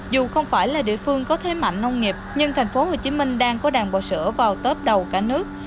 dù không phải là địa phương có thế mạnh nông nghiệp nhưng thành phố hồ chí minh đang có đàn bò sữa vào tớp đầu cả nước